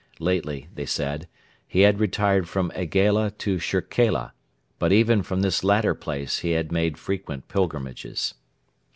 Lately, they said, he had retired from Aigaila to Shirkela, but even from this latter place he had made frequent pilgrimages.